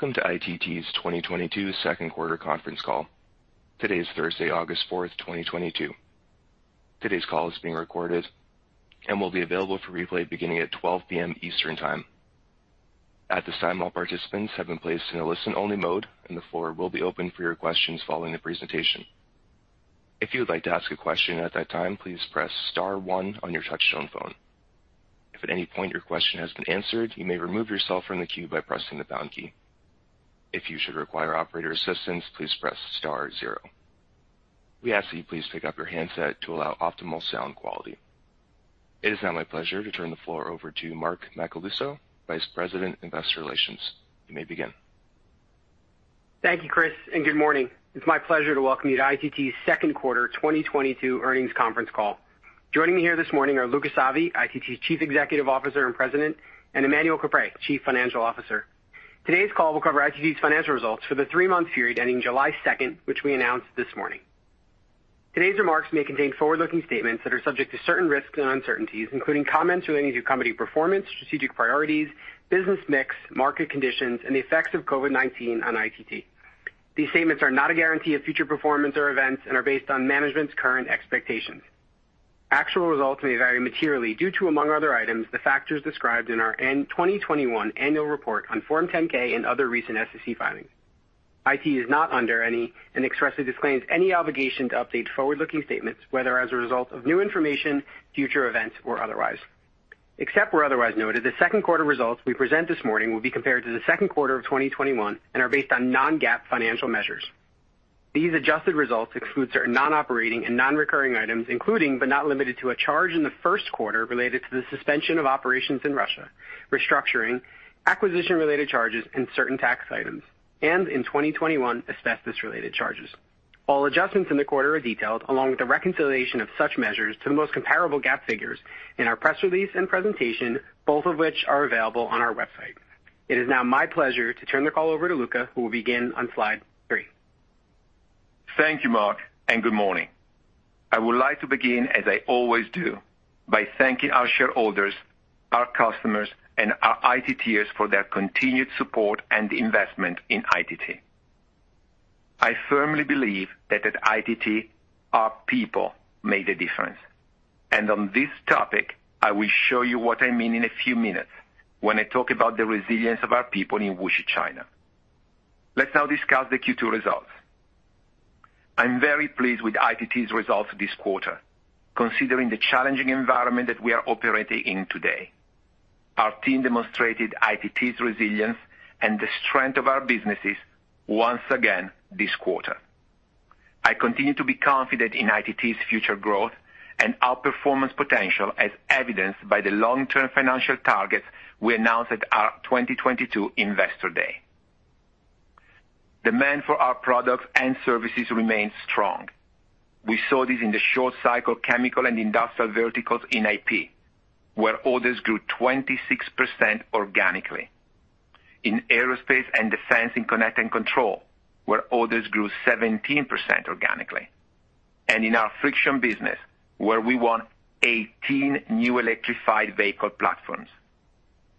Welcome to ITT's 2022 second quarter conference call. Today is Thursday, August 4, 2022. Today's call is being recorded and will be available for replay beginning at 12:00 P.M. Eastern Time. At this time, all participants have been placed in a listen-only mode, and the floor will be open for your questions following the presentation. If you would like to ask a question at that time, please press star one on your touchtone phone. If at any point your question has been answered, you may remove yourself from the queue by pressing the pound key. If you should require operator assistance, please press star zero. We ask that you please pick up your handset to allow optimal sound quality. It is now my pleasure to turn the floor over to Mark Macaluso, Vice President, Investor Relations. You may begin. Thank you, Chris, and good morning. It's my pleasure to welcome you to ITT's second quarter 2022 earnings conference call. Joining me here this morning are Luca Savi, ITT's Chief Executive Officer and President, and Emmanuel Caprais, Chief Financial Officer. Today's call will cover ITT's financial results for the three-month period ending July 2, which we announced this morning. Today's remarks may contain forward-looking statements that are subject to certain risks and uncertainties, including comments relating to company performance, strategic priorities, business mix, market conditions, and the effects of COVID-19 on ITT. These statements are not a guarantee of future performance or events and are based on management's current expectations. Actual results may vary materially due to, among other items, the factors described in our 2021 annual report on Form 10-K and other recent SEC filings. ITT is not under any and expressly disclaims any obligation to update forward-looking statements, whether as a result of new information, future events or otherwise. Except where otherwise noted, the second quarter results we present this morning will be compared to the second quarter of 2021 and are based on non-GAAP financial measures. These adjusted results exclude certain non-operating and non-recurring items, including, but not limited to, a charge in the first quarter related to the suspension of operations in Russia, restructuring, acquisition-related charges and certain tax items. In 2021, asbestos related charges. All adjustments in the quarter are detailed, along with the reconciliation of such measures to the most comparable GAAP figures in our press release and presentation, both of which are available on our website. It is now my pleasure to turn the call over to Luca, who will begin on slide three. Thank you, Mark, and good morning. I would like to begin, as I always do, by thanking our shareholders, our customers and our ITTers for their continued support and investment in ITT. I firmly believe that at ITT, our people made a difference. On this topic, I will show you what I mean in a few minutes when I talk about the resilience of our people in Wuxi, China. Let's now discuss the Q2 results. I'm very pleased with ITT's results this quarter, considering the challenging environment that we are operating in today. Our team demonstrated ITT's resilience and the strength of our businesses once again this quarter. I continue to be confident in ITT's future growth and outperformance potential, as evidenced by the long-term financial targets we announced at our 2022 Investor Day. Demand for our products and services remains strong. We saw this in the short-cycle chemical and industrial verticals in IP, where orders grew 26% organically. In aerospace and defense in connect and control, where orders grew 17% organically. In our friction business, where we won 18 new electrified vehicle platforms.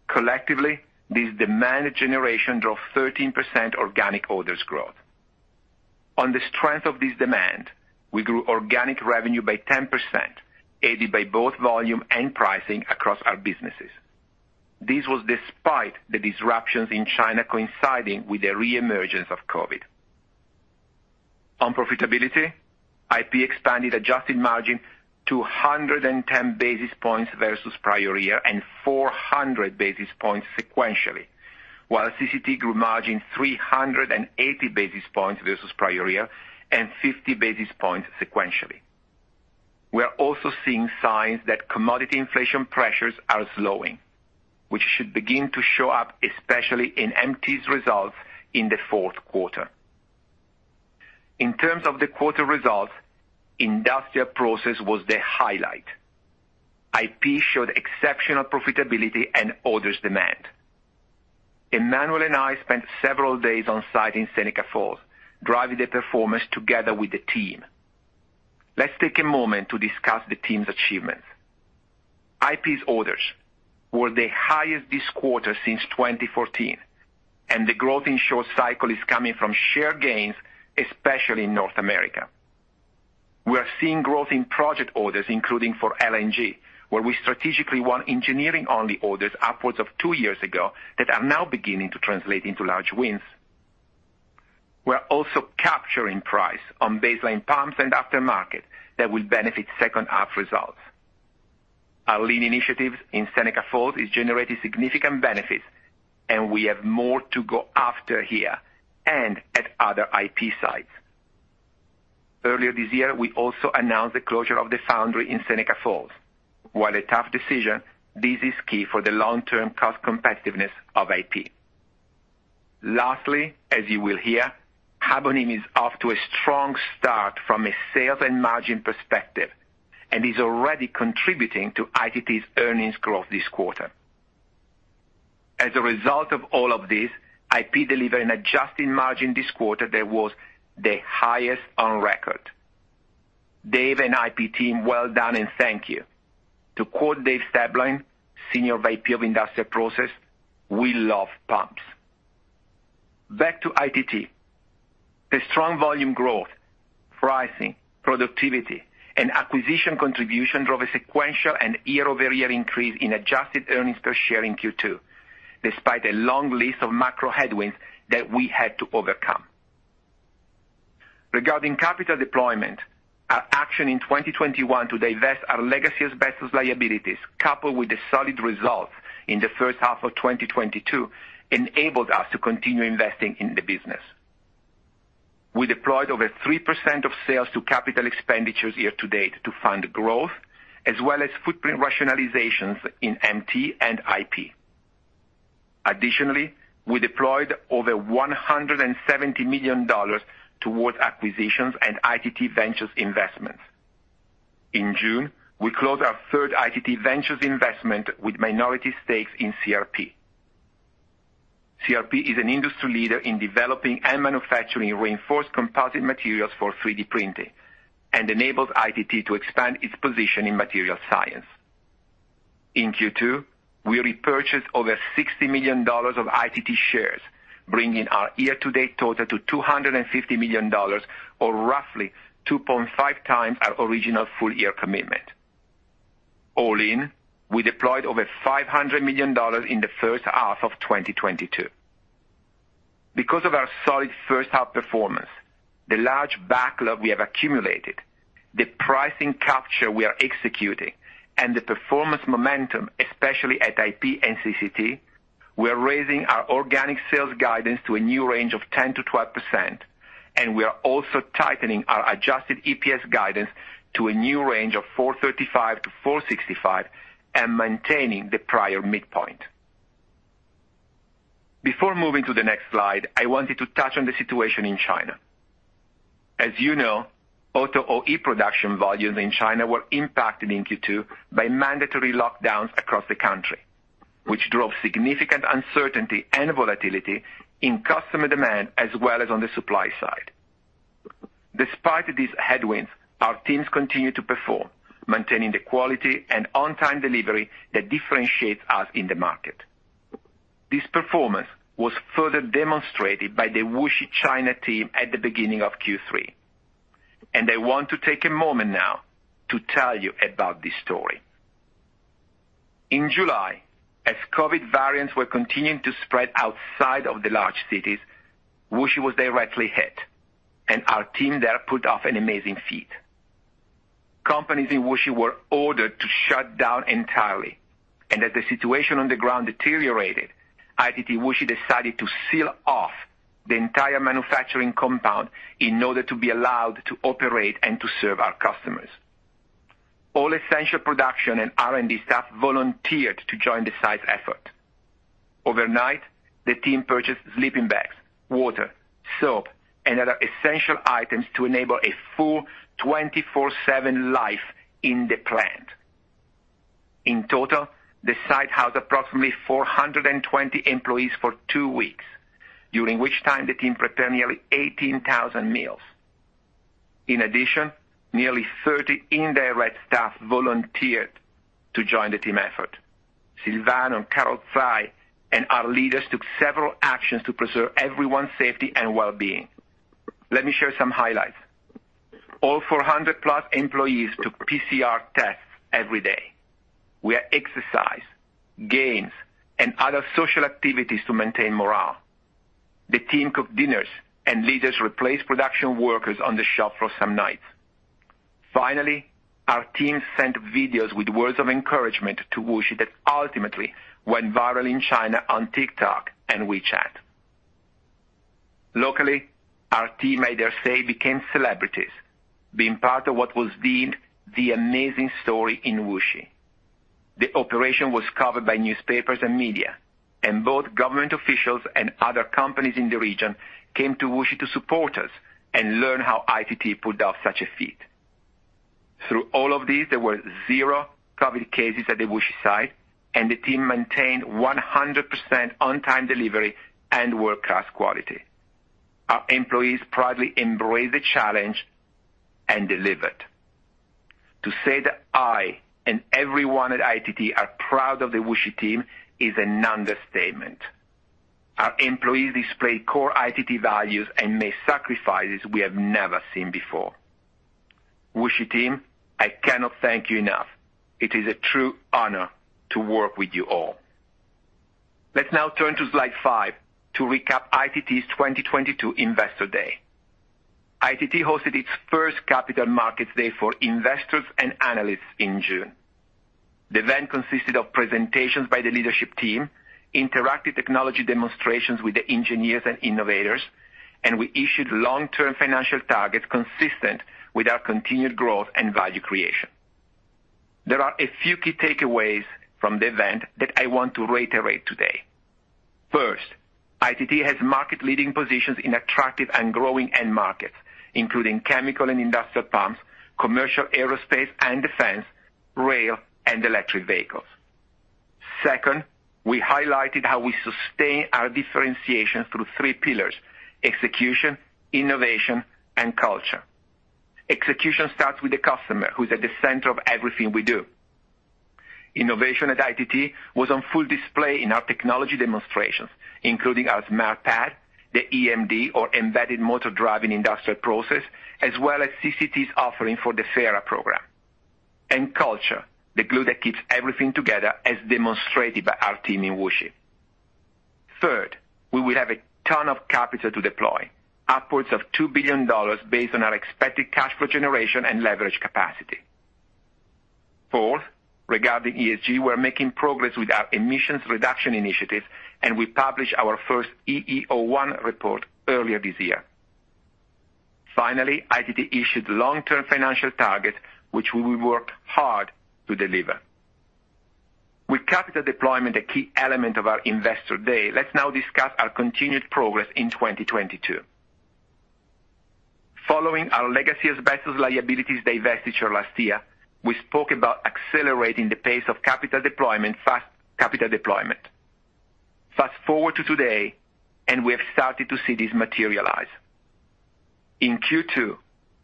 Collectively, this demand generation drove 13% organic orders growth. On the strength of this demand, we grew organic revenue by 10%, aided by both volume and pricing across our businesses. This was despite the disruptions in China coinciding with the reemergence of COVID. On profitability, IP expanded adjusted margin to 110 basis points versus prior year and 400 basis points sequentially, while CCT grew margin 380 basis points versus prior year and 50 basis points sequentially. We are also seeing signs that commodity inflation pressures are slowing, which should begin to show up, especially in MT's results in the fourth quarter. In terms of the quarter results, Industrial Process was the highlight. IP showed exceptional profitability and orders demand. Emmanuel and I spent several days on site in Seneca Falls, driving the performance together with the team. Let's take a moment to discuss the team's achievements. IP's orders were the highest this quarter since 2014, and the growth in short cycle is coming from share gains, especially in North America. We are seeing growth in project orders, including for LNG, where we strategically won engineering-only orders upwards of 2 years ago that are now beginning to translate into large wins. We're also capturing price on baseline pumps and aftermarket that will benefit second half results. Our lean initiatives in Seneca Falls is generating significant benefits, and we have more to go after here and at other IP sites. Earlier this year, we also announced the closure of the foundry in Seneca Falls. While a tough decision, this is key for the long-term cost competitiveness of IP. Lastly, as you will hear, Habonim is off to a strong start from a sales and margin perspective and is already contributing to ITT's earnings growth this quarter. As a result of all of this, IP delivered an adjusted margin this quarter that was the highest on record. Dave and IP team, well done and thank you. To quote Dave Staeblein, Senior VP of Industrial Process, "We love pumps." Back to ITT. The strong volume growth, pricing, productivity, and an contribution drove a sequential and year-over-year increase in adjusted earnings per share in Q2, despite a long list of macro headwinds that we had to overcome. Regarding capital deploymet, our action in 2021 to divest our legacy asbestos liabilities, coupled with the solid results in the first half of 2022, enabled us to continue investing in the business. We deployed over 3% of sales to capital expenditures year-to-date to fund growth, as well as footprint rationalizations in MT and IP. Additionally, we deployed over $170 million towards acquisitions and ITT Ventures investments. In June, we closed our third ITT Ventures investment with minority stakes in CRP. CRP is an industry leader in developing and manufacturing reinforced composite materials for 3D printing and enables ITT to expand its position in material science. In Q2, we repurchased over $60 million of ITT shares, bringing our year-to-date total to $250 million, or roughly 2.5 times our original full-year commitment. All in, we deployed over $500 million in the first half of 2022. Because of our solid first half performance, the large backlog we have accumulated, the pricing capture we are executing, and the performance momentum, especially at IP and CCT, we are raising our organic sales guidance to a new range of 10%-12%, and we are also tightening our adjusted EPS guidance to a new range of $4.35-$4.65 and maintaining the prior midpoint. Before moving to the next slide, I wanted to touch on the situation in China. As you know, auto OE production volumes in China were impacted in Q2 by mandatory lockdowns across the country, which drove significant uncertainty and volatility in customer demand, as well as on the supply side. Despite these headwinds, our teams continued to perform, maintaining the quality and on-time delivery that differentiates us in the market. This performance was further demonstrated by the Wuxi China team at the beginning of Q3, and I want to take a moment now to tell you about this story. In July, as COVID variants were continuing to spread outside of the large cities, Wuxi was directly hit, and our team there pulled off an amazing feat. Companies in Wuxi were ordered to shut down entirely, and as the situation on the ground deteriorated, ITT Wuxi decided to seal off the entire manufacturing compound in order to be allowed to operate and to serve our customers. All essential production and R&D staff volunteered to join the site's effort. Overnight, the team purchased sleeping bags, water, soap, and other essential items to enable a full 24/7 life in the plant. In total, the site housed approximately 420 employees for two weeks, during which time the team prepared nearly 18,000 meals. In addition, nearly 30 indirect staff volunteered to join the team effort. Silvan and Carol Chi and our leaders took several actions to preserve everyone's safety and well-being. Let me share some highlights. All 400-plus employees took PCR tests every day. We had exercise, games, and other social activities to maintain morale. The team cooked dinners and leaders replaced production workers on the shop floor some nights. Finally, our teams sent videos with words of encouragement to Wuxi that ultimately went viral in China on TikTok and WeChat. Locally, our team made their stay and became celebrities, being part of what was deemed the amazing story in Wuxi. The operation was covered by newspapers and media, and both government officials and other companies in the region came to Wuxi to support us and learn how ITT pulled off such a feat. Through all of this, there were zero COVID cases at the Wuxi site, and the team maintained 100% on-time delivery and world-class quality. Our employees proudly embraced the challenge and delivered. To say that I and everyone at ITT are proud of the Wuxi team is an understatement. Our employees displayed core ITT values and made sacrifices we have never seen before. Wuxi team, I cannot thank you enough. It is a true honor to work with you all. Let's now turn to slide 5 to recap ITT's 2022 Investor Day. ITT hosted its first Capital Markets Day for investors and analysts in June. The event consisted of presentations by the leadership team, interactive technology demonstrations with the engineers and innovators, and we issued long-term financial targets consistent with our continued growth and value creation. There are a few key takeaways from the event that I want to reiterate today. First, ITT has market-leading positions in attractive and growing end markets, including chemical and industrial pumps, commercial aerospace and defense, rail, and electric vehicles. Second, we highlighted how we sustain our differentiation through three pillars, execution, innovation, and culture. Execution starts with the customer who's at the center of everything we do. Innovation at ITT was on full display in our technology demonstrations, including our Smart Pad, the EMD or embedded motor drive in Industrial Process, as well as CCT's offering for the FARA program. Culture, the glue that keeps everything together as demonstrated by our team in Wuxi. Third, we will have a ton of capital to deploy, upwards of $2 billion based on our expected cash flow generation and leverage capacity. Fourth, regarding ESG, we're making progress with our emissions reduction initiative, and we published our first EEO-1 report earlier this year. Finally, ITT issued long-term financial target, which we will work hard to deliver. With capital deployment a key element of our Investor Day, let's now discuss our continued progress in 2022. Following our legacy asbestos liabilities divestiture last year, we spoke about accelerating the pace of capital deployment. Fast-forward to today, and we have started to see this materialize. In Q2,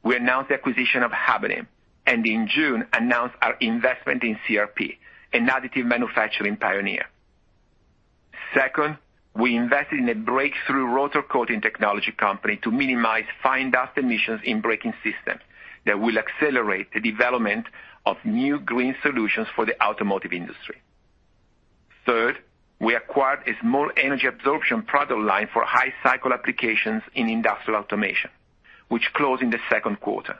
we announced the acquisition of Habonim, and in June, announced our investment in CRP, an additive manufacturing pioneer. Second, we invested in a breakthrough rotor coating technology company to minimize fine dust emissions in braking systems that will accelerate the development of new green solutions for the automotive industry. Third, we acquired a small energy absorption product line for high cycle applications in industrial automation, which closed in the second quarter.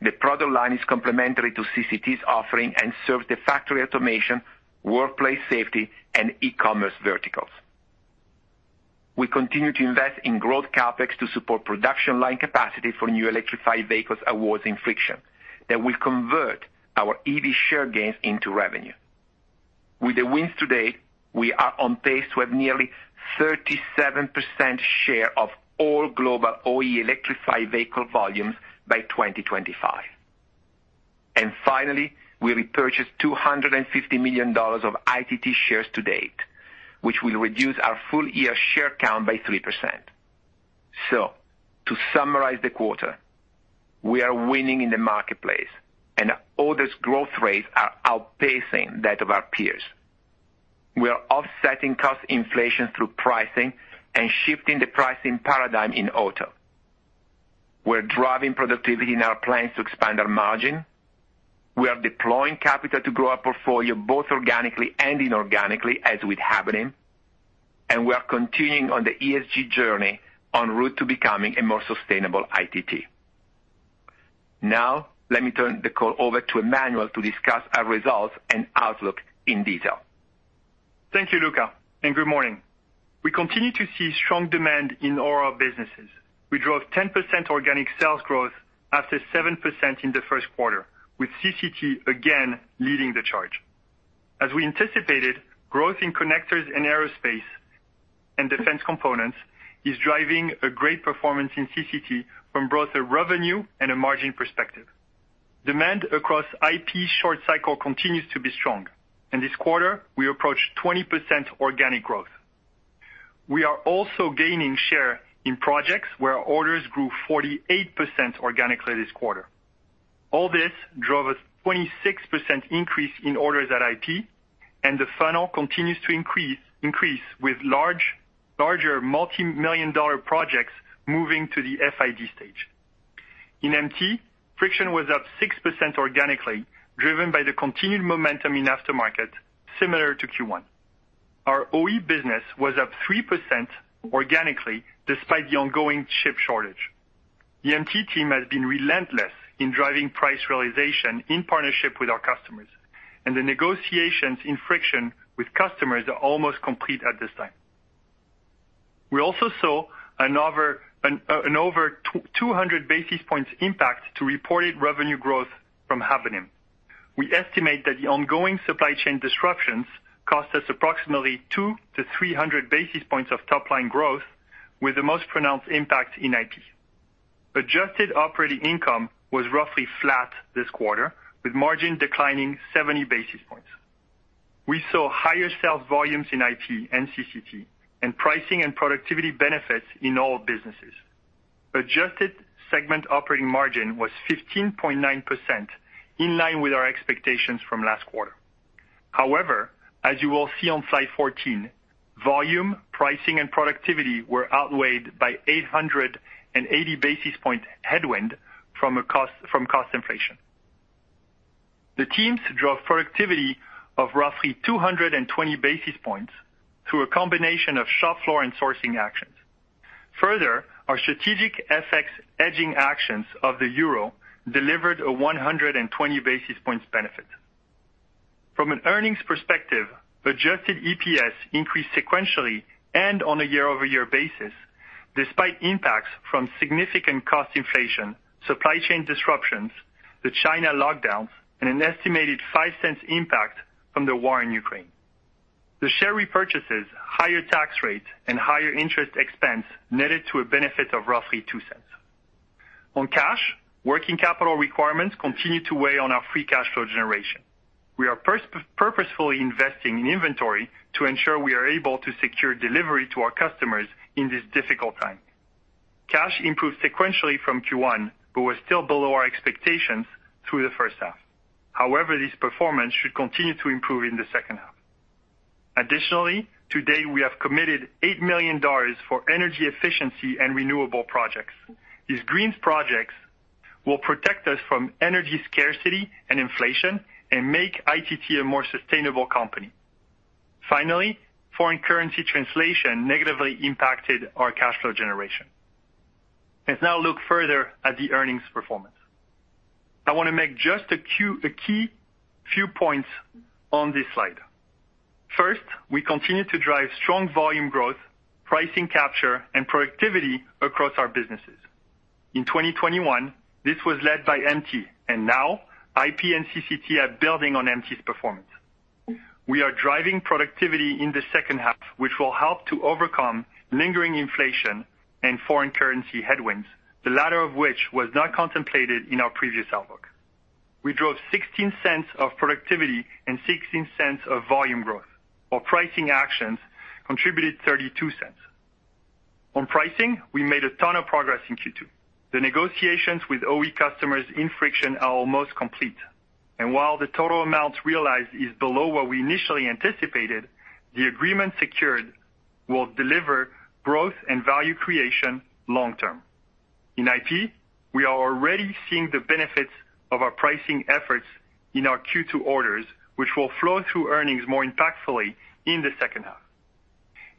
The product line is complementary to CCT's offering and serve the factory automation, workplace safety, and e-commerce verticals. We continue to invest in growth CapEx to support production line capacity for new electrified vehicles awards in friction that will convert our EV share gains into revenue. With the wins today, we are on pace to have nearly 37% share of all global OE electrified vehicle volumes by 2025. Finally, we repurchased $250 million of ITT shares to date, which will reduce our full year share count by 3%. To summarize the quarter, we are winning in the marketplace and orders growth rates are outpacing that of our peers. We are offsetting cost inflation through pricing and shifting the pricing paradigm in auto. We're driving productivity in our plants to expand our margin. We are deploying capital to grow our portfolio both organically and inorganically as with Habonim, and we are continuing on the ESG journey en route to becoming a more sustainable ITT. Now, let me turn the call over to Emmanuel to discuss our results and outlook in detail. Thank you, Luca, and good morning. We continue to see strong demand in all our businesses. We drove 10% organic sales growth after 7% in the first quarter, with CCT again leading the charge. As we anticipated, growth in connectors and aerospace and defense components is driving a great performance in CCT from both a revenue and a margin perspective. Demand across IP short cycle continues to be strong. In this quarter, we approached 20% organic growth. We are also gaining share in projects where our orders grew 48% organically this quarter. All this drove a 26% increase in orders at IP, and the funnel continues to increase with larger multimillion-dollar projects moving to the FID stage. In MT, friction was up 6% organically, driven by the continued momentum in aftermarket, similar to Q1. Our OE business was up 3% organically despite the ongoing chip shortage. The MT team has been relentless in driving price realization in partnership with our customers, and the negotiations in friction with customers are almost complete at this time. We also saw over 200 basis points impact to reported revenue growth from Habonim. We estimate that the ongoing supply chain disruptions cost us approximately 200-300 basis points of top-line growth, with the most pronounced impact in IP. Adjusted operating income was roughly flat this quarter, with margin declining 70 basis points. We saw higher sales volumes in IP and CCT and pricing and productivity benefits in all businesses. Adjusted segment operating margin was 15.9% in line with our expectations from last quarter. However, as you will see on slide 14, volume, pricing, and productivity were outweighed by 880 basis point headwind from cost inflation. The teams drove productivity of roughly 220 basis points through a combination of shop floor and sourcing actions. Further, our strategic FX hedging actions of the euro delivered a 120 basis points benefit. From an earnings perspective, adjusted EPS increased sequentially and on a year-over-year basis, despite impacts from significant cost inflation, supply chain disruptions, the China lockdowns, and an estimated $0.05 impact from the war in Ukraine. The share repurchases, higher tax rates and higher interest expense netted to a benefit of roughly $0.02. On cash, working capital requirements continue to weigh on our free cash flow generation. We are purposefully investing in inventory to ensure we are able to secure delivery to our customers in this difficult time. Cash improved sequentially from Q1, but was still below our expectations through the first half. However, this performance should continue to improve in the second half. Additionally, today we have committed $8 million for energy efficiency and renewable projects. These green projects will protect us from energy scarcity and inflation and make ITT a more sustainable company. Finally, foreign currency translation negatively impacted our cash flow generation. Let's now look further at the earnings performance. I wanna make just a key few points on this slide. First, we continue to drive strong volume growth, pricing capture, and productivity across our businesses. In 2021, this was led by MT, and now IP and CCT are building on MT's performance. We are driving productivity in the second half, which will help to overcome lingering inflation and foreign currency headwinds, the latter of which was not contemplated in our previous outlook. We drove $0.16 of productivity and $0.16 of volume growth, while pricing actions contributed $0.32. On pricing, we made a ton of progress in Q2. The negotiations with OE customers in friction are almost complete, and while the total amount realized is below what we initially anticipated, the agreement secured will deliver growth and value creation long term. In IP, we are already seeing the benefits of our pricing efforts in our Q2 orders, which will flow through earnings more impactfully in the second half.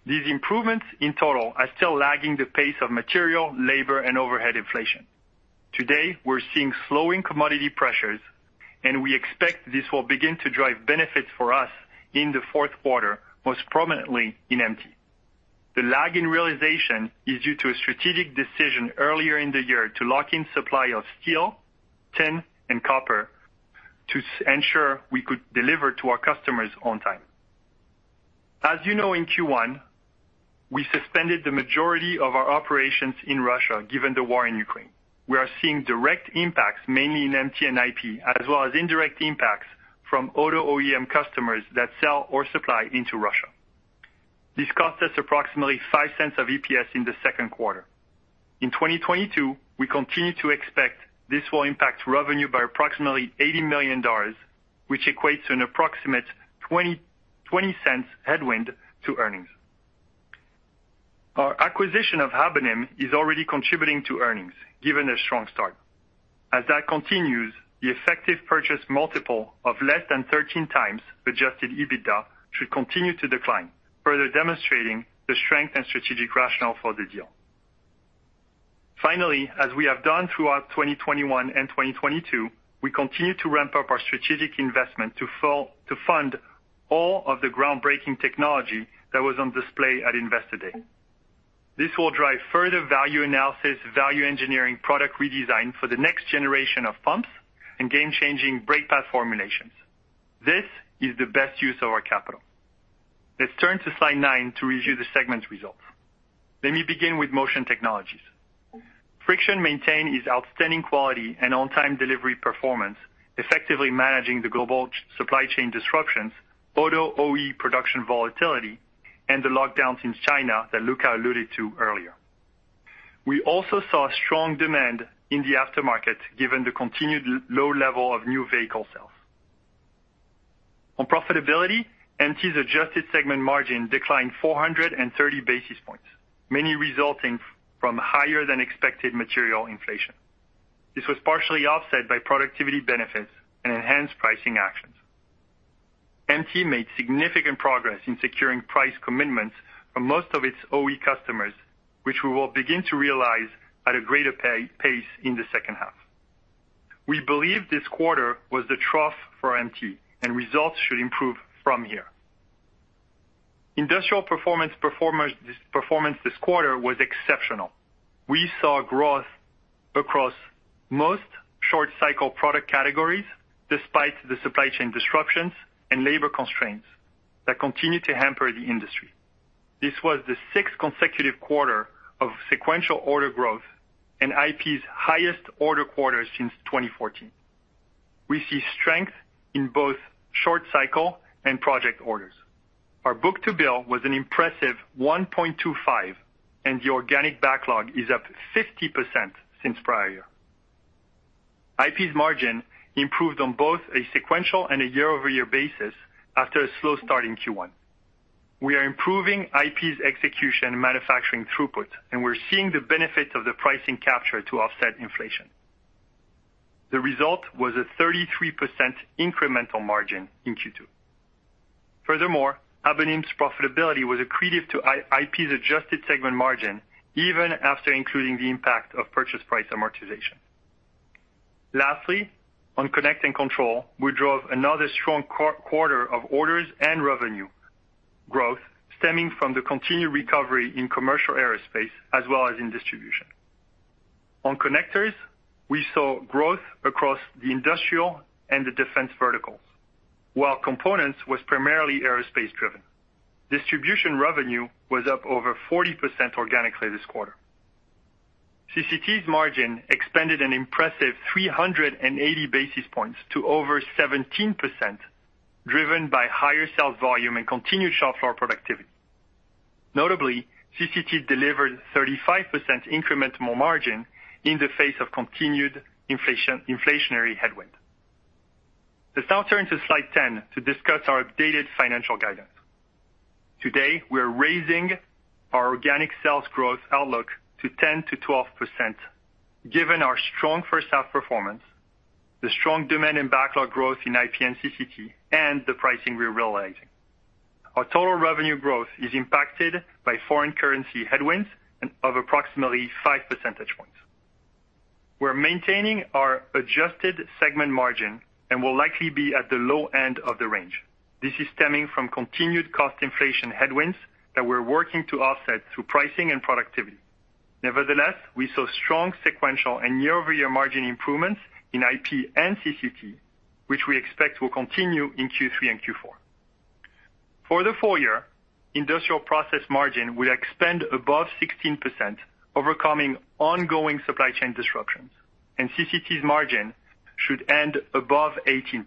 These improvements in total are still lagging the pace of material, labor, and overhead inflation. Today, we're seeing slowing commodity pressures, and we expect this will begin to drive benefits for us in the fourth quarter, most prominently in MT. The lag in realization is due to a strategic decision earlier in the year to lock in supply of steel, tin, and copper to ensure we could deliver to our customers on time. As you know, in Q1, we suspended the majority of our operations in Russia, given the war in Ukraine. We are seeing direct impacts, mainly in MT and IP, as well as indirect impacts from auto OEM customers that sell or supply into Russia. This cost us approximately $0.05 of EPS in the second quarter. In 2022, we continue to expect this will impact revenue by approximately $80 million, which equates to an approximate 20-20 cents headwind to earnings. Our acquisition of Habonim is already contributing to earnings, given a strong start. As that continues, the effective purchase multiple of less than 13x adjusted EBITDA should continue to decline, further demonstrating the strength and strategic rationale for the deal. Finally, as we have done throughout 2021 and 2022, we continue to ramp up our strategic investment to fund all of the groundbreaking technology that was on display at Investor Day. This will drive further value analysis, value engineering, product redesign for the next generation of pumps and game-changing brake pad formulations. This is the best use of our capital. Let's turn to slide 9 to review the segment results. Let me begin with Motion Technologies. Friction maintained its outstanding quality and on-time delivery performance, effectively managing the global supply chain disruptions, auto OE production volatility, and the lockdowns in China that Luca alluded to earlier. We also saw strong demand in the aftermarket, given the continued low level of new vehicle sales. On profitability, MT's adjusted segment margin declined 430 basis points, mainly resulting from higher than expected material inflation. This was partially offset by productivity benefits and enhanced pricing actions. MT made significant progress in securing price commitments for most of its OE customers, which we will begin to realize at a greater pace in the second half. We believe this quarter was the trough for MT and results should improve from here. Industrial performance this quarter was exceptional. We saw growth across most short-cycle product categories, despite the supply chain disruptions and labor constraints that continue to hamper the industry. This was the sixth consecutive quarter of sequential order growth and IP's highest order quarter since 2014. We see strength in both short cycle and project orders. Our book-to-bill was an impressive 1.25, and the organic backlog is up 50% since prior year. IP's margin improved on both a sequential and a year-over-year basis after a slow start in Q1. We are improving IP's execution and manufacturing throughput, and we're seeing the benefit of the pricing capture to offset inflation. The result was a 33% incremental margin in Q2. Furthermore, Habonim's profitability was accretive to IP's adjusted segment margin, even after including the impact of purchase price amortization. Lastly, on Connect and Control, we drove another strong quarter of orders and revenue growth stemming from the continued recovery in commercial aerospace as well as in distribution. On connectors, we saw growth across the industrial and the defense verticals, while components was primarily aerospace-driven. Distribution revenue was up over 40% organically this quarter. CCT's margin expanded an impressive 380 basis points to over 17%, driven by higher sales volume and continued shop floor productivity. Notably, CCT delivered 35% incremental margin in the face of continued inflationary headwind. Let's now turn to slide 10 to discuss our updated financial guidance. Today, we are raising our organic sales growth outlook to 10%-12% given our strong first half performance, the strong demand and backlog growth in IP and CCT, and the pricing we're realizing. Our total revenue growth is impacted by foreign currency headwinds of approximately five percentage points. We're maintaining our adjusted segment margin and will likely be at the low end of the range. This is stemming from continued cost inflation headwinds that we're working to offset through pricing and productivity. Nevertheless, we saw strong sequential and year-over-year margin improvements in IP and CCT, which we expect will continue in Q3 and Q4. For the full year, Industrial Process margin will expand above 16%, overcoming ongoing supply chain disruptions, and CCT's margin should end above 18%.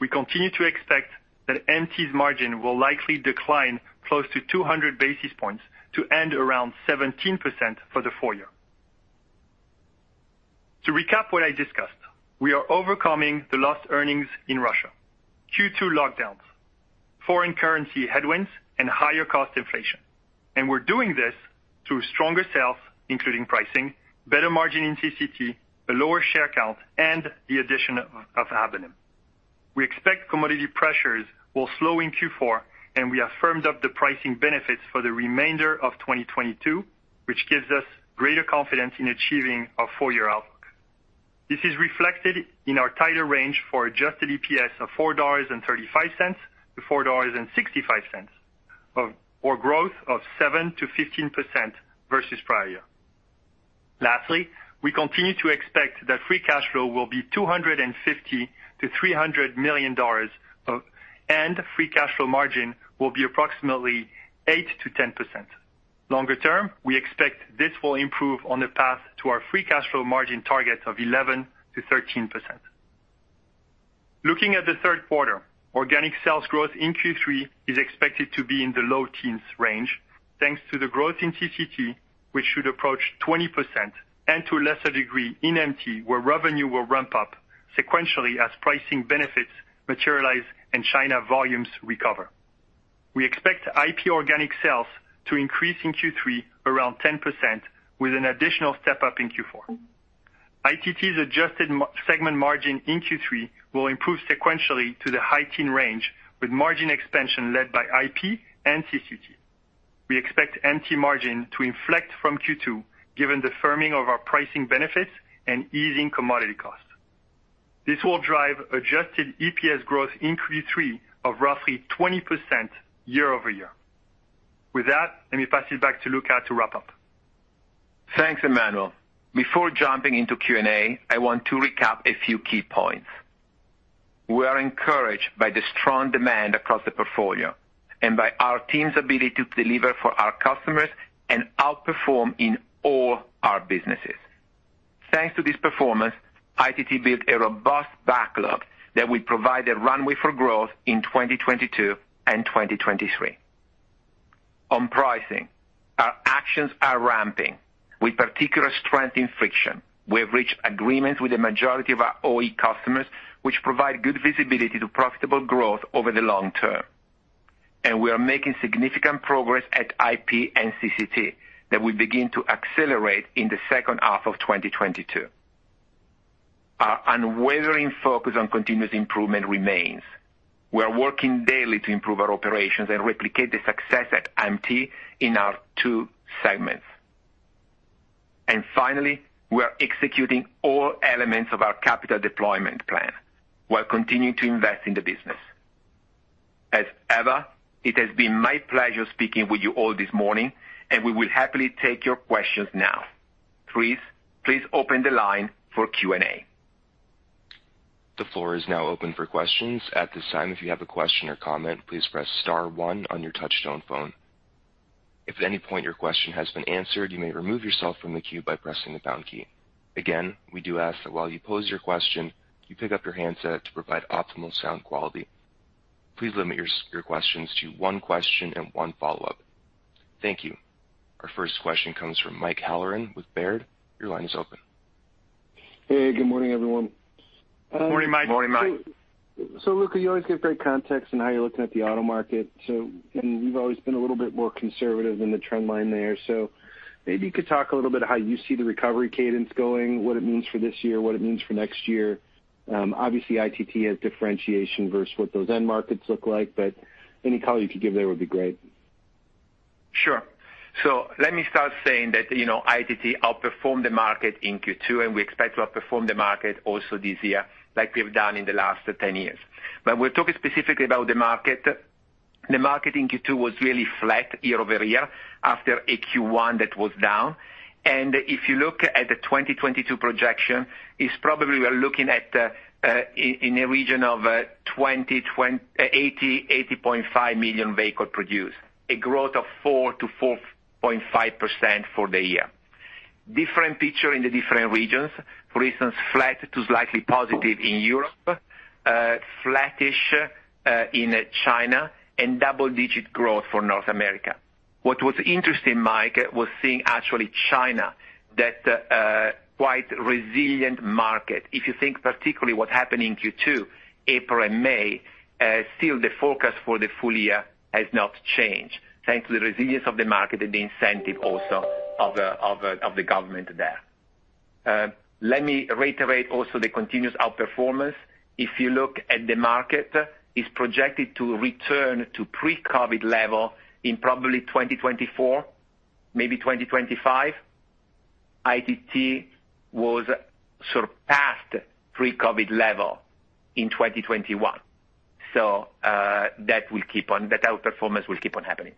We continue to expect that MT's margin will likely decline close to 200 basis points to end around 17% for the full year. To recap what I discussed, we are overcoming the lost earnings in Russia, Q2 lockdowns, foreign currency headwinds, and higher cost inflation. We're doing this through stronger sales, including pricing, better margin in CCT, a lower share count, and the addition of Habonim. We expect commodity pressures will slow in Q4, and we have firmed up the pricing benefits for the remainder of 2022, which gives us greater confidence in achieving our full year outlook. This is reflected in our tighter range for adjusted EPS of $4.35-$4.65, or growth of 7%-15% versus prior year. Lastly, we continue to expect that free cash flow will be $250-$300 million, and free cash flow margin will be approximately 8%-10%. Longer term, we expect this will improve on the path to our free cash flow margin target of 11%-13%. Looking at the third quarter, organic sales growth in Q3 is expected to be in the low teens range, thanks to the growth in CCT, which should approach 20%, and to a lesser degree in MT, where revenue will ramp up sequentially as pricing benefits materialize and China volumes recover. We expect IP organic sales to increase in Q3 around 10% with an additional step-up in Q4. ITT's adjusted segment margin in Q3 will improve sequentially to the high teens range with margin expansion led by IP and CCT. We expect MT margin to inflect from Q2 given the firming of our pricing benefits and easing commodity costs. This will drive adjusted EPS growth in Q3 of roughly 20% year-over-year. With that, let me pass it back to Luca to wrap up. Thanks, Emmanuel. Before jumping into Q&A, I want to recap a few key points. We are encouraged by the strong demand across the portfolio and by our team's ability to deliver for our customers and outperform in all our businesses. Thanks to this performance, ITT built a robust backlog that will provide a runway for growth in 2022 and 2023. On pricing, our actions are ramping with particular strength in friction. We have reached agreements with the majority of our OE customers, which provide good visibility to profitable growth over the long term. We are making significant progress at IP and CCT that will begin to accelerate in the second half of 2022. Our unwavering focus on continuous improvement remains. We are working daily to improve our operations and replicate the success at MT in our two segments. Finally, we are executing all elements of our capital deployment plan while continuing to invest in the business. As ever, it has been my pleasure speaking with you all this morning, and we will happily take your questions now. Please, please open the line for Q&A. The floor is now open for questions. At this time, if you have a question or comment, please press star one on your touchtone phone. If at any point your question has been answered, you may remove yourself from the queue by pressing the pound key. Again, we do ask that while you pose your question, you pick up your handset to provide optimal sound quality. Please limit your questions to one question and one follow-up. Thank you. Our first question comes from Michael Halloran with Baird. Your line is open. Hey, good morning, everyone. Good morning, Mike. Morning, Mike. Luca, you always give great context in how you're looking at the auto market. You've always been a little bit more conservative than the trend line there. Maybe you could talk a little bit how you see the recovery cadence going, what it means for this year, what it means for next year. Obviously, ITT has differentiation versus what those end markets look like, but any color you could give there would be great. Sure. Let me start saying that, you know, ITT outperformed the market in Q2, and we expect to outperform the market also this year, like we've done in the last 10 years. We're talking specifically about the market. The market in Q2 was really flat year-over-year after a Q1 that was down. If you look at the 2022 projection, it's probably we're looking at in a region of 80.5 million vehicles produced, a growth of 4%-4.5% for the year. Different picture in the different regions. For instance, flat to slightly positive in Europe, flattish in China, and double-digit growth for North America. What was interesting, Mike, was seeing actually China, that quite resilient market. If you think particularly what happened in Q2, April and May, still the focus for the full year has not changed, thanks to the resilience of the market and the incentive also of the government there. Let me reiterate also the continuous outperformance. If you look at the market, it's projected to return to pre-COVID level in probably 2024, maybe 2025. ITT surpassed pre-COVID level in 2021. That outperformance will keep on happening.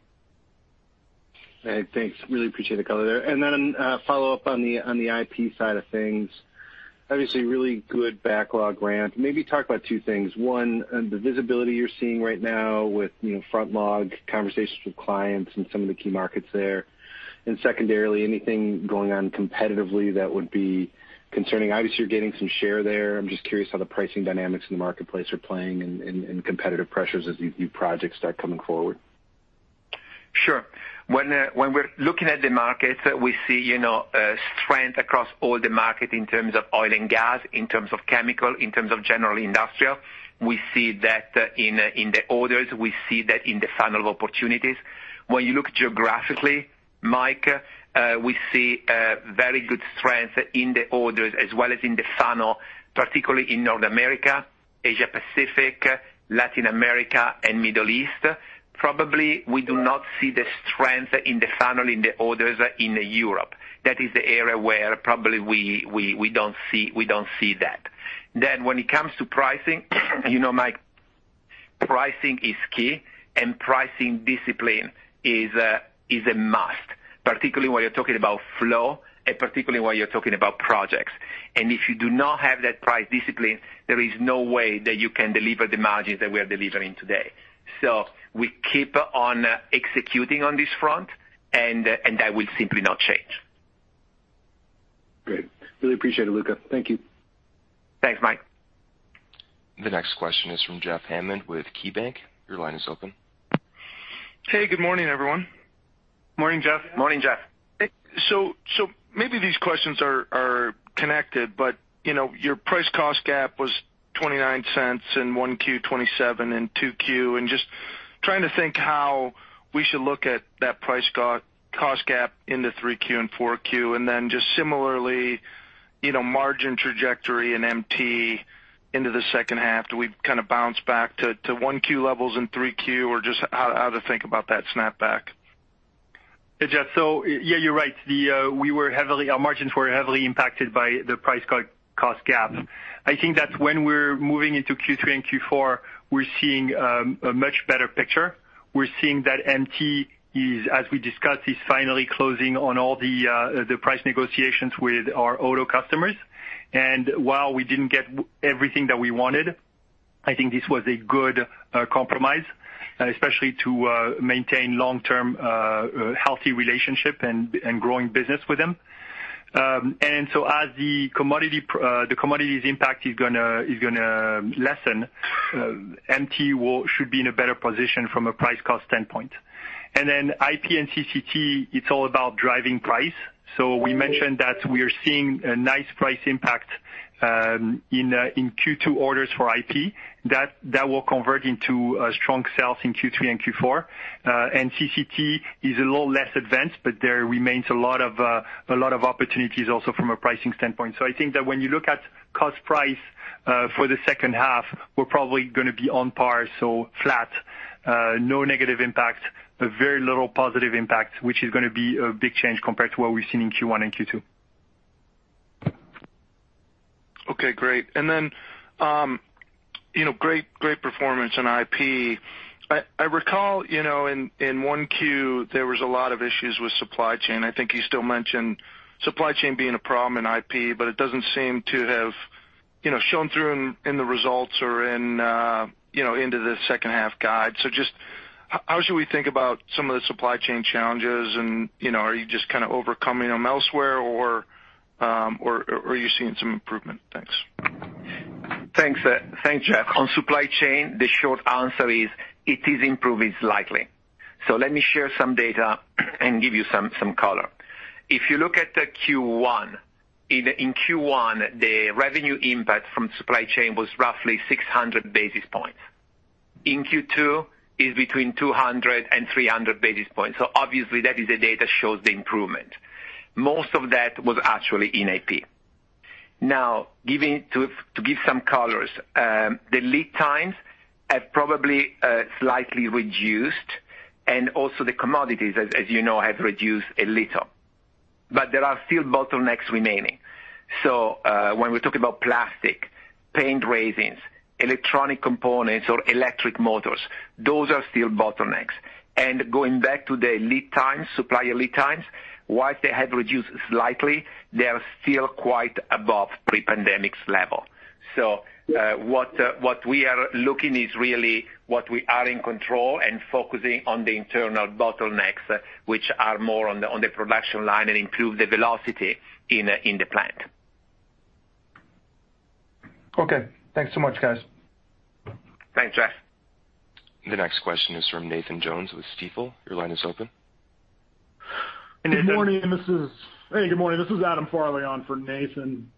All right. Thanks. Really appreciate the color there. Follow-up on the IP side of things. Obviously, really good backlog ramp. Maybe talk about two things. One, on the visibility you're seeing right now with, you know, front log conversations with clients in some of the key markets there. Secondarily, anything going on competitively that would be concerning. Obviously, you're getting some share there. I'm just curious how the pricing dynamics in the marketplace are playing and competitive pressures as new projects start coming forward. Sure. When we're looking at the markets, we see, you know, strength across all the markets in terms of oil and gas, in terms of chemicals, in terms of general industrial. We see that in the orders. We see that in the funnel of opportunities. When you look geographically, Mike, we see very good strength in the orders as well as in the funnel, particularly in North America, Asia Pacific, Latin America, and Middle East. Probably, we do not see the strength in the funnel, in the orders in Europe. That is the area where probably we don't see that. When it comes to pricing, you know, Mike, pricing is key, and pricing discipline is a must, particularly when you're talking about flow and particularly when you're talking about projects. If you do not have that price discipline, there is no way that you can deliver the margins that we are delivering today. We keep on executing on this front, and that will simply not change. Great. Really appreciate it, Luca. Thank you. Thanks, Mike. The next question is from Jeff Hammond with KeyBanc. Your line is open. Hey, good morning, everyone. Morning, Jeff. Maybe these questions are connected, but you know, your price-cost gap was $0.29 in 1Q, $0.27 in 2Q. Just trying to think how we should look at that price-cost gap in 3Q and 4Q. Then just similarly, you know, margin trajectory and MT into the second half. Do we kind of bounce back to 1Q levels in 3Q or just how to think about that snapback? Hey, Jeff. Yeah, you're right. Our margins were heavily impacted by the price-cost gap. I think that when we're moving into Q3 and Q4, we're seeing a much better picture. We're seeing that MT, as we discussed, is finally closing on all the price negotiations with our auto customers. While we didn't get everything that we wanted, I think this was a good compromise, especially to maintain long-term healthy relationship and growing business with them. As the commodities impact is gonna lessen, MT should be in a better position from a price-cost standpoint. Then IP and CCT, it's all about driving price. We mentioned that we are seeing a nice price impact in Q2 orders for IP. That will convert into strong sales in Q3 and Q4. CCT is a little less advanced, but there remains a lot of opportunities also from a pricing standpoint. I think that when you look at cost price for the second half, we're probably gonna be on par, flat, no negative impact, a very little positive impact, which is gonna be a big change compared to what we've seen in Q1 and Q2. Okay, great. You know, great performance in IP. I recall, you know, in one Q, there was a lot of issues with supply chain. I think you still mentioned supply chain being a problem in IP, but it doesn't seem to have, you know, shown through in the results or in, you know, into the second half guide. Just how should we think about some of the supply chain challenges and, you know, are you just kinda overcoming them elsewhere or are you seeing some improvement? Thanks. Thanks, Jeff. On supply chain, the short answer is it is improving slightly. Let me share some data and give you some color. If you look at the Q1, in Q1, the revenue impact from supply chain was roughly 600 basis points. In Q2, it is between 200 and 300 basis points. Obviously that is the data shows the improvement. Most of that was actually in IP. Now, to give some color, the lead times have probably slightly reduced, and also the commodities, as you know, have reduced a little. There are still bottlenecks remaining. When we talk about plastic, paint resins, electronic components, or electric motors, those are still bottlenecks. Going back to the lead times, supplier lead times, while they have reduced slightly, they are still quite above pre-pandemic level. What we are looking is really what we are in control and focusing on the internal bottlenecks, which are more on the production line and improve the velocity in the plant. Okay. Thanks so much, guys. Thanks, Jeff. The next question is from Nathan Jones with Stifel. Your line is open. Hey, good morning, this is Adam Farley on for Nathan.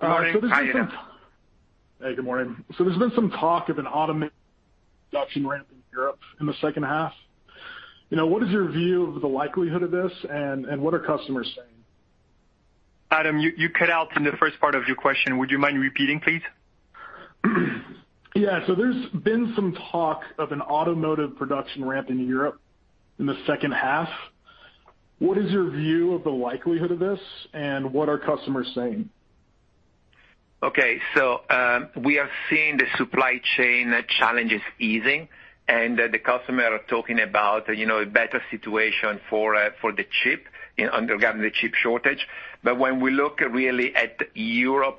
Good morning. How are you? Hey, good morning. There's been some talk of an automated production ramp in Europe in the second half. You know, what is your view of the likelihood of this and what are customers saying? Adam, you cut out in the first part of your question. Would you mind repeating, please? Yeah. There's been some talk of an automotive production ramp in Europe in the second half. What is your view of the likelihood of this, and what are customers saying? Okay. We are seeing the supply chain challenges easing, and the customers are talking about, you know, a better situation regarding the chip shortage. When we look really at the European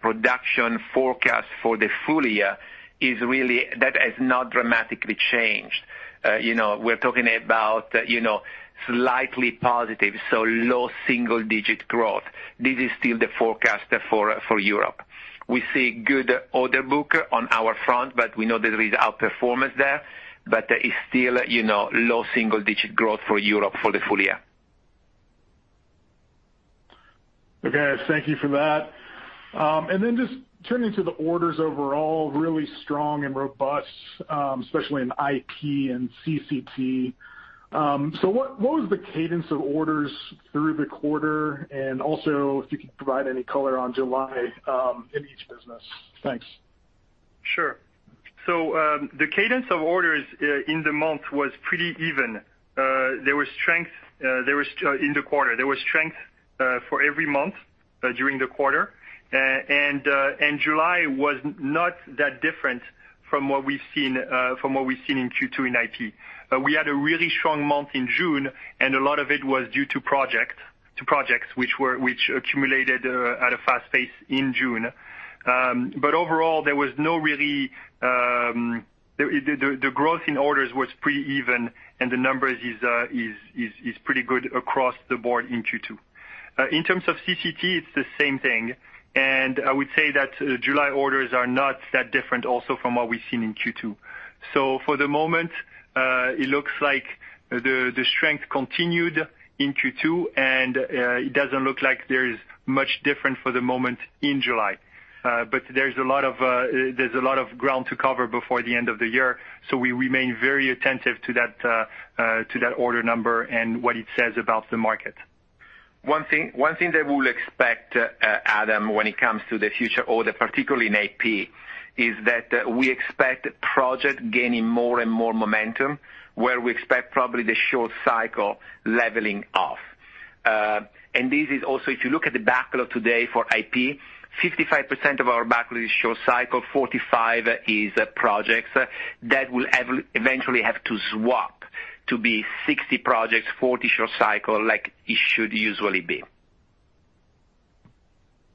production forecast for the full year, it really has not dramatically changed. You know, we're talking about, you know, slightly positive, so low single-digit growth. This is still the forecast for Europe. We see good order book on our front, but we know there is outperformance there. It's still, you know, low single-digit growth for Europe for the full year. Okay. Thank you for that. Just turning to the orders overall, really strong and robust, especially in IP and CCT. What was the cadence of orders through the quarter? Also if you could provide any color on July in each business. Thanks. Sure. The cadence of orders in the month was pretty even. There was strength in the quarter. There was strength for every month during the quarter. July was not that different from what we've seen in Q2 in IP. We had a really strong month in June, and a lot of it was due to projects which accumulated at a fast pace in June. But overall, the growth in orders was pretty even and the numbers is pretty good across the board in Q2. In terms of CCT, it's the same thing. I would say that July orders are not that different also from what we've seen in Q2. For the moment, it looks like the strength continued in Q2 and it doesn't look like there is much different for the moment in July. There's a lot of ground to cover before the end of the year, we remain very attentive to that order number and what it says about the market. One thing that we'll expect, Adam, when it comes to the future order, particularly in IP, is that we expect projects gaining more and more momentum, where we expect probably the short cycle leveling off. This is also if you look at the backlog today for IP, 55% of our backlog is short cycle, 45 is projects that will eventually have to swap to be 60 projects, 40 short cycle like it should usually be.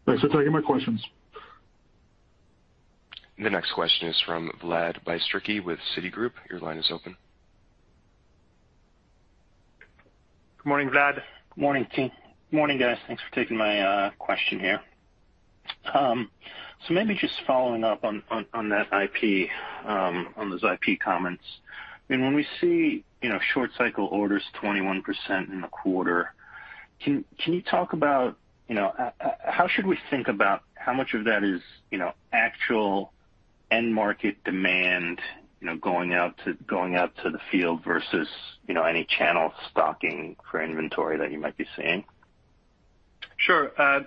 Thanks for taking my questions. The next question is from Vlad Bystricky with Citigroup. Your line is open. Good morning, Vlad. Morning team. Morning, guys. Thanks for taking my question here. So maybe just following up on that IP, on those IP comments. I mean, when we see, you know, short cycle orders 21% in the quarter, can you talk about, you know, how should we think about how much of that is, you know, actual end market demand, you know, going out to the field versus, you know, any channel stocking for inventory that you might be seeing? Sure. I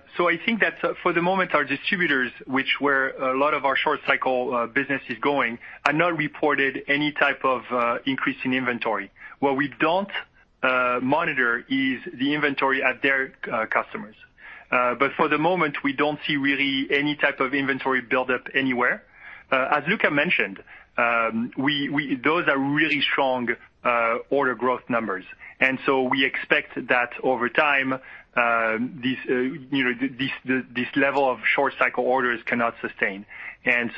think that for the moment our distributors, which is where a lot of our short cycle business is going, are not reporting any type of increase in inventory. What we don't monitor is the inventory at their customers. For the moment, we don't really see any type of inventory buildup anywhere. As Luca mentioned, those are really strong order growth numbers. We expect that over time, you know, this level of short cycle orders cannot sustain.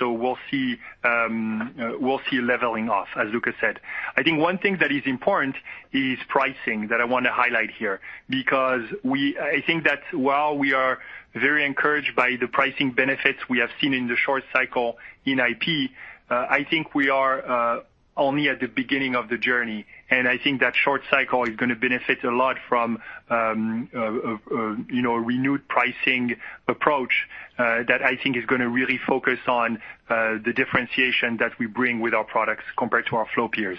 We'll see a leveling off, as Luca said. I think one thing that is important is pricing that I want to highlight here, because I think that while we are very encouraged by the pricing benefits we have seen in the short cycle in IP, I think we are only at the beginning of the journey, and I think that short cycle is gonna benefit a lot from, you know, renewed pricing approach, that I think is gonna really focus on the differentiation that we bring with our products compared to our flow peers.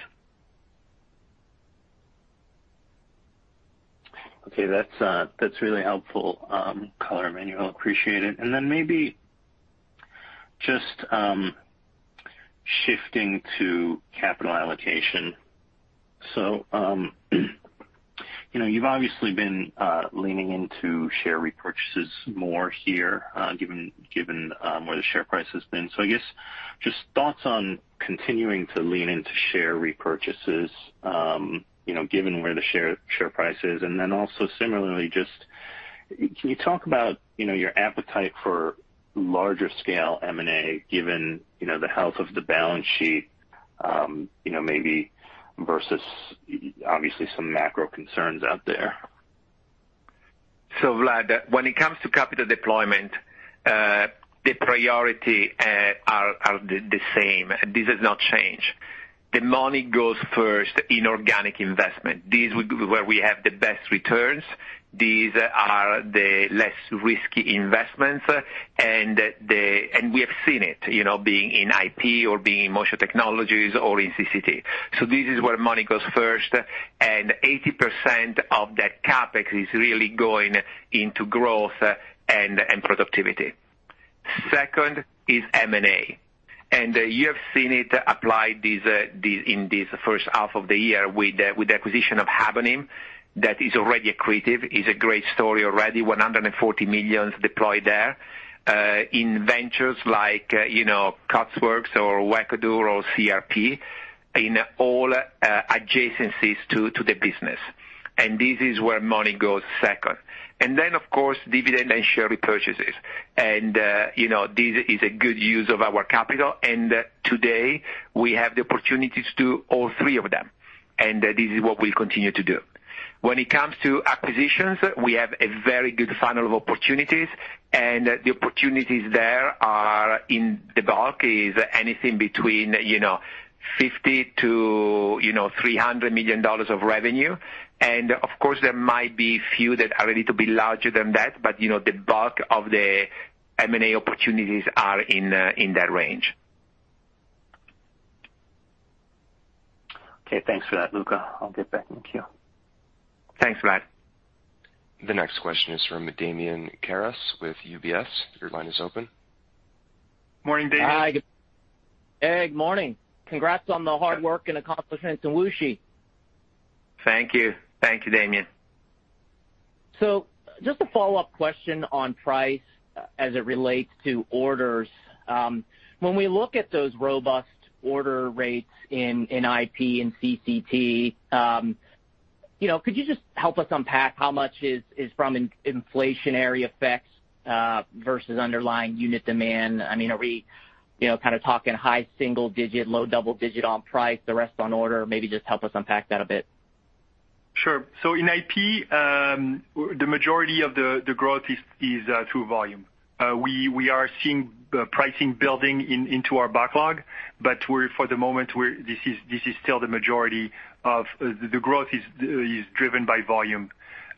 Okay. That's really helpful color, Emmanuel. Appreciate it. Maybe just shifting to capital allocation. You know, you've obviously been leaning into share repurchases more here, given where the share price has been. I guess just thoughts on continuing to lean into share repurchases, you know, given where the share price is. Similarly, just can you talk about, you know, your appetite for larger scale M&A given, you know, the health of the balance sheet. You know, maybe versus obviously some macro concerns out there. Vlad, when it comes to capital deployment, the priority are the same. This has not changed. The money goes first in organic investment. These would be where we have the best returns. These are the less risky investments, and we have seen it, you know, being in IP or being in motion technologies or in CCT. This is where money goes first, and 80% of that CapEx is really going into growth and productivity. Second is M&A. You have seen it applied in this first half of the year with the acquisition of Habonim that is already accretive, is a great story already. $140 million deployed there in ventures like, you know, Cutworks or Wekador or CRP, in all adjacencies to the business. This is where money goes second. Then of course, dividend and share repurchases. You know, this is a good use of our capital. Today, we have the opportunities to all three of them, and this is what we'll continue to do. When it comes to acquisitions, we have a very good funnel of opportunities, and the opportunities there are in the bulk is anything between, you know, $50 million to $300 million of revenue. Of course, there might be few that are a little bit larger than that. You know, the bulk of the M&A opportunities are in that range. Okay, thanks for that, Luca. I'll get back in queue. Thanks, Vlad. The next question is from Damian Karas with UBS. Your line is open. Morning, Damian. Hi. Good morning. Congrats on the hard work and accomplishments in Wuxi. Thank you. Thank you, Damian. Just a follow-up question on price as it relates to orders. When we look at those robust order rates in IP and CCT, you know, could you just help us unpack how much is from inflationary effects versus underlying unit demand? I mean, are we, you know, kind of talking high single digit, low double digit on price, the rest on order? Maybe just help us unpack that a bit. Sure. In IP, the majority of the growth is through volume. We are seeing pricing building into our backlog, but for the moment this is still the majority of the growth is driven by volume.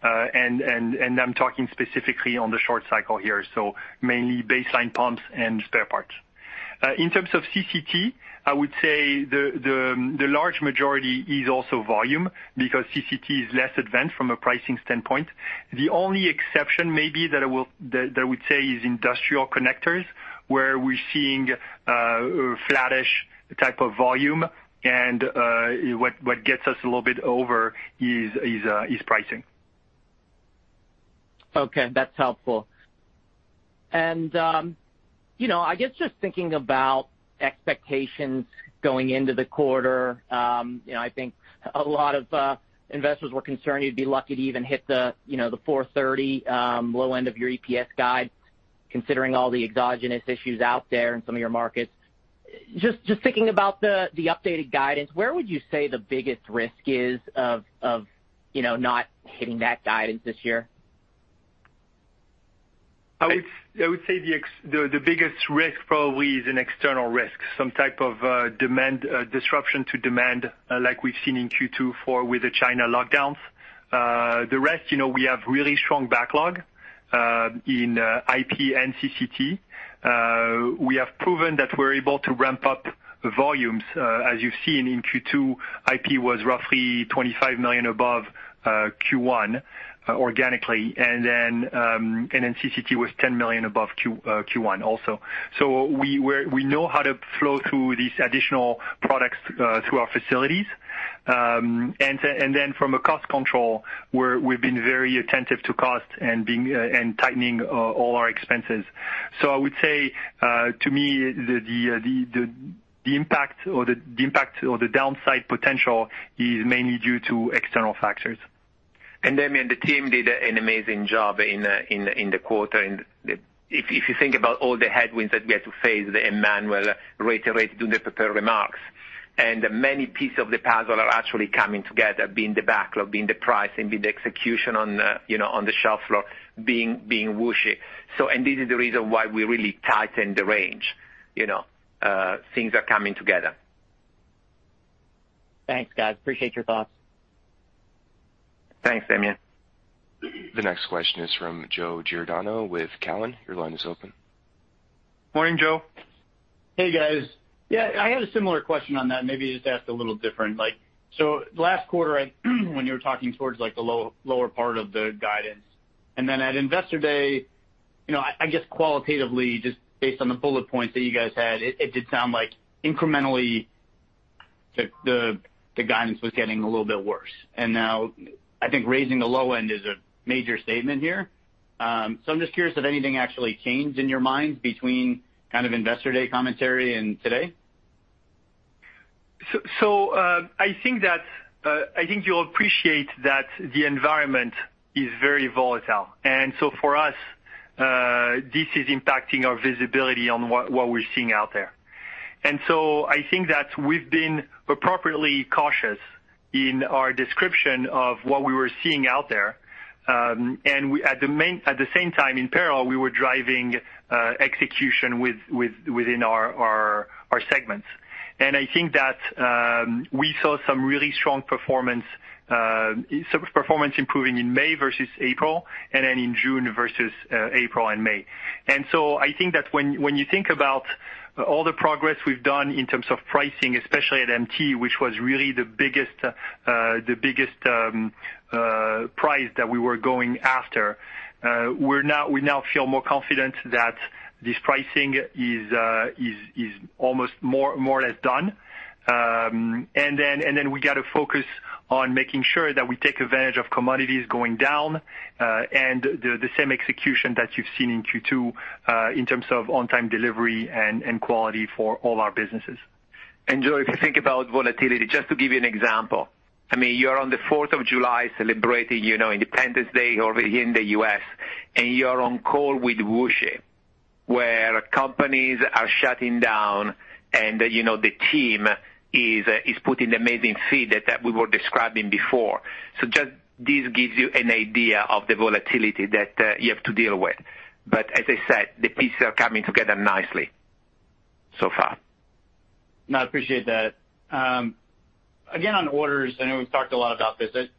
I'm talking specifically on the short cycle here, so mainly baseline pumps and spare parts. In terms of CCT, I would say the large majority is also volume because CCT is less advanced from a pricing standpoint. The only exception may be that I would say is industrial connectors, where we're seeing flattish type of volume and what gets us a little bit over is pricing. Okay, that's helpful. You know, I guess just thinking about expectations going into the quarter, you know, I think a lot of investors were concerned you'd be lucky to even hit the $4.30 low end of your EPS guide, considering all the exogenous issues out there in some of your markets. Just thinking about the updated guidance, where would you say the biggest risk is of not hitting that guidance this year? I would say the biggest risk probably is an external risk, some type of disruption to demand like we've seen in Q2 with the China lockdowns. The rest, you know, we have really strong backlog in IP and CCT. We have proven that we're able to ramp up volumes. As you've seen in Q2, IP was roughly $25 million above Q1 organically and then CCT was $10 million above Q1 also. We know how to flow through these additional products through our facilities. From a cost control, we've been very attentive to cost and tightening all our expenses. I would say, to me, the impact or the downside potential is mainly due to external factors. Damian, the team did an amazing job in the quarter. If you think about all the headwinds that we had to face, and Emmanuel Caprais reiterated during the prepared remarks. Many pieces of the puzzle are actually coming together, being the backlog, being the pricing, being the execution on, you know, on the shop floor, being Wuxi. This is the reason why we really tightened the range. You know, things are coming together. Thanks, guys. Appreciate your thoughts. Thanks, Damian. The next question is from Joseph Giordano with Cowen. Your line is open. Morning, Joe. Hey, guys. Yeah, I had a similar question on that. Maybe just asked a little different. Like, so last quarter, when you were talking towards like the low, lower part of the guidance, and then at Investor Day, you know, I guess qualitatively, just based on the bullet points that you guys had, it did sound like incrementally the guidance was getting a little bit worse. Now I think raising the low end is a major statement here. So I'm just curious if anything actually changed in your mind between kind of Investor Day commentary and today. I think you'll appreciate that the environment is very volatile. For us, this is impacting our visibility on what we're seeing out there. I think that we've been appropriately cautious in our description of what we were seeing out there. At the same time in parallel, we were driving execution within our segments. I think that we saw some really strong performance, some performance improving in May versus April, and then in June versus April and May. I think that when you think about all the progress we've done in terms of pricing, especially at MT, which was really the biggest prize that we were going after, we now feel more confident that this pricing is almost more or less done. We gotta focus on making sure that we take advantage of commodities going down, and the same execution that you've seen in Q2, in terms of on-time delivery and quality for all our businesses. Joe, if you think about volatility, just to give you an example, I mean, you're on the Fourth of July celebrating, you know, Independence Day over here in the U.S., and you're on call with Wuxi, where companies are shutting down and, you know, the team is putting the amazing feed that we were describing before. So just this gives you an idea of the volatility that you have to deal with. But as I said, the pieces are coming together nicely so far. No, I appreciate that. Again, on orders, I know we've talked a lot about this. Some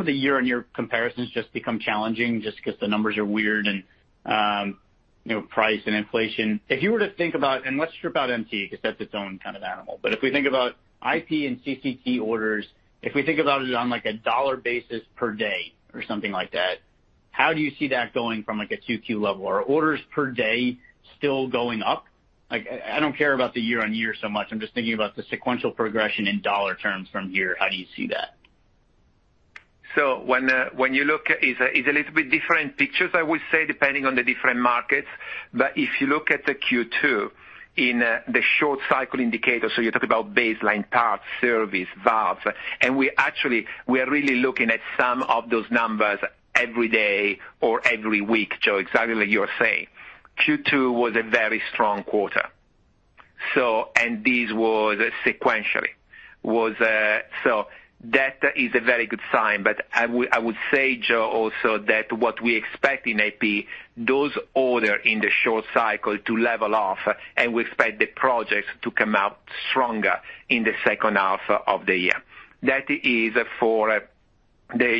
of the year-on-year comparisons just become challenging just 'cause the numbers are weird and, you know, price and inflation. If you were to think about, and let's strip out MT 'cause that's its own kind of animal, but if we think about IP and CCT orders, if we think about it on like a dollar basis per day or something like that, how do you see that going from like a 2Q level? Are orders per day still going up? Like I don't care about the year-on-year so much. I'm just thinking about the sequential progression in dollar terms from here. How do you see that? When you look, it's a little bit different pictures, I would say, depending on the different markets. If you look at the Q2 in the short cycle indicator, you talk about baseline parts, service, valves, and we actually are really looking at some of those numbers every day or every week, Joe, exactly like you're saying. Q2 was a very strong quarter. That was sequentially a very good sign, but I would say, Joe, also that what we expect in AP, those orders in the short cycle to level off, and we expect the projects to come out stronger in the second half of the year. That is for the